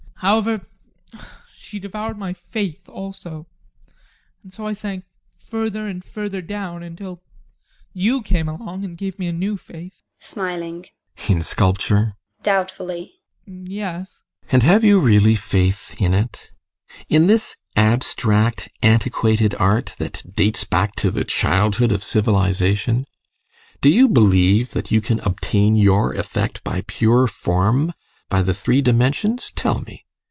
ADOLPH. However she devoured my faith also, and so I sank further and further down, until you came along and gave me a new faith. GUSTAV. [Smiling] In sculpture? ADOLPH. [Doubtfully] Yes. GUSTAV. And have you really faith in it? In this abstract, antiquated art that dates back to the childhood of civilisation? Do you believe that you can obtain your effect by pure form by the three dimensions tell me?